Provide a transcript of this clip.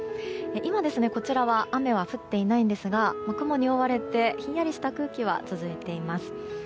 今、こちらは雨は降っていないんですが雲に覆われてひんやりした空気は続いています。